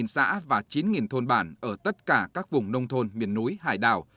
một mươi bảy xã và chín thôn bản ở tất cả các vùng nông thôn miền núi hải đảo